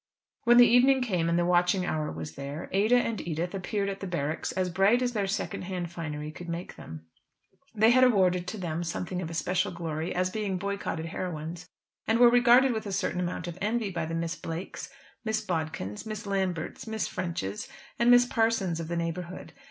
When the evening came, and the witching hour was there, Ada and Edith appeared at the barracks as bright as their second hand finery could make them. They had awarded to them something of especial glory as being boycotted heroines, and were regarded with a certain amount of envy by the Miss Blakes, Miss Bodkins, Miss Lamberts, Miss Ffrenchs, and Miss Parsons of the neighbourhood.